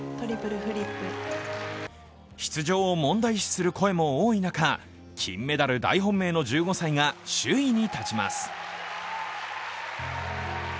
出場を問題視する声も多い中、金メダル大本命の１５歳が首位に立ちます。